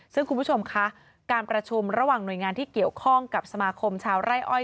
ซึ่งคุณผู้ชมคะการประชุมระหว่างหน่วยงานที่เกี่ยวข้องกับสมาคมชาวไร่อ้อย